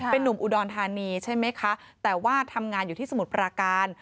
เป็นนุ่มอุดรธานีใช่ไหมคะแต่ว่าทำงานอยู่ที่สมุทรปราการ